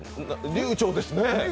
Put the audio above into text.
流暢ですね。